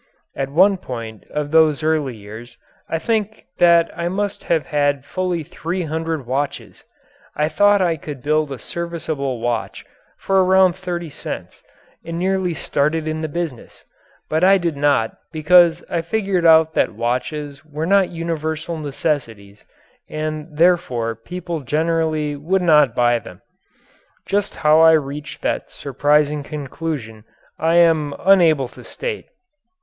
At one period of those early days I think that I must have had fully three hundred watches. I thought that I could build a serviceable watch for around thirty cents and nearly started in the business. But I did not because I figured out that watches were not universal necessities, and therefore people generally would not buy them. Just how I reached that surprising conclusion I am unable to state.